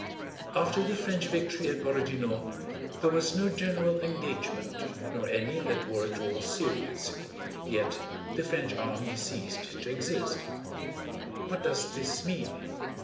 After the French victory at Borodinó there was no general engagement nor any that were at all serious, yet the French army ceased to exist. What does this mean?